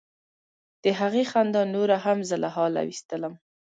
د هغې خندا نوره هم زه له حاله ویستلم.